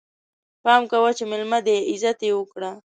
پام کوه چې ميلمه دی، عزت يې وکړه!